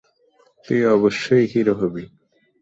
তুই অবশ্যই হিরো হবি।